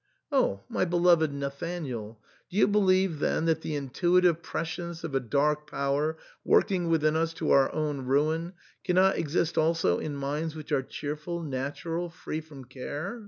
'* Oh! my beloved Nathanael, do you believe then that the intuitive prescience of a dark power working within us to our own ruin cannot exist also in minds which are cheerful, natural, free from care